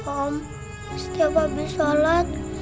om setiap abis shalat